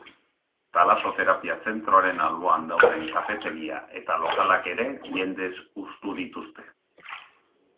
Talasoterapia zentroaren alboan dauden kafetegia eta lokalak ere jendez hustu dituzte.